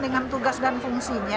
dengan tugas dan fungsinya